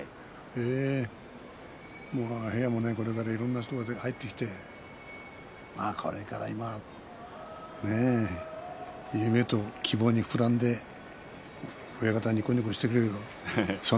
部屋もこれからいろんな人が入ってきてこれからね夢と希望に膨らんで親方にこにこしているよ。